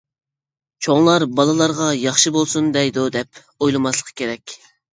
چوڭلار بالىلارغا ياخشى بولسۇن دەيدۇ دەپ ئويلىماسلىقى كېرەك.